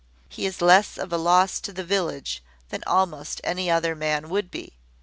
He is less of a loss to the village than almost any other man would be.